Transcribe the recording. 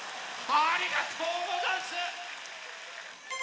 ありがとうござんす！